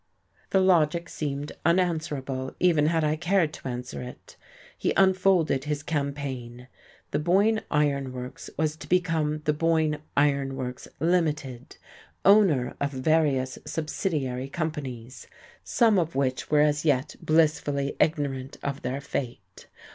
The logic seemed unanswerable, even had I cared to answer it.... He unfolded his campaign. The Boyne Iron Works was to become the Boyne Iron Works, Ltd., owner of various subsidiary companies, some of which were as yet blissfully ignorant of their fate.